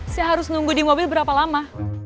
saya harus nunggu di mobil berapa lama